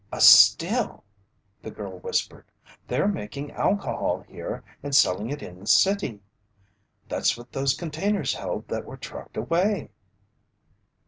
"A still!" the girl whispered. "They're making alcohol here and selling it in the city! That's what those containers held that were trucked away!"